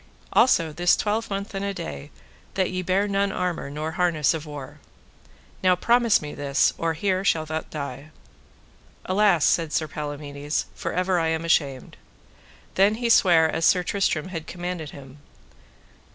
Also this twelvemonth and a day that ye bear none armour nor none harness of war. Now promise me this, or here shalt thou die. Alas, said Palamides, for ever am I ashamed. Then he sware as Sir Tristram had commanded him.